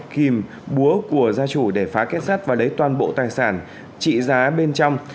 kìm búa của gia chủ để phá kết sát và lấy toàn bộ tài sản trị giá bên trong